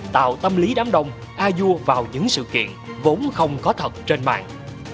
tạo tâm lý đám đông a dua vào những sự kiện vốn không có thật trên mạng